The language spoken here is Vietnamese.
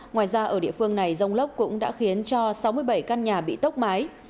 ngoài ra ở địa phương này rông lốc cũng đã khiến cho sáu mươi bảy căn nhà bị tốc mái